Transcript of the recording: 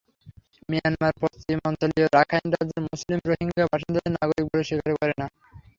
Myanmar পশ্চিমাঞ্চলীয় Rakhine রাজ্যের মুসলিম রোহিঙ্গা বাসিন্দাদের নাগরিক বলে স্বীকার করে না।